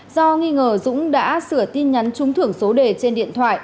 do nghi ngờ dũng đã sửa tin nhắn trúng thưởng số đề trên điện thoại